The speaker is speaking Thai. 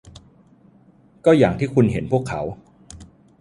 ก็อย่างที่คุณเห็นพวกเขา